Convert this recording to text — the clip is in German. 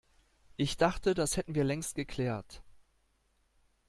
Ich dachte, das hätten wir längst geklärt.